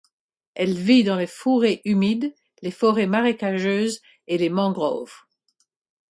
Elle vit dans les fourrés humides, les forêts marécageuses et les mangroves.